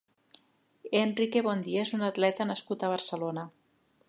Enrique Bondia és un atleta nascut a Barcelona.